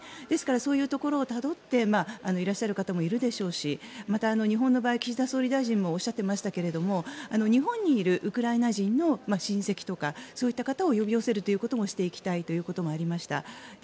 ですからそういうところをたどっていらっしゃった方もいるでしょうしまた日本の場合、岸田総理大臣もおっしゃっていましたが日本にいるウクライナ人の親戚とかそういう方を呼び寄せていくこともしていきたいとありました。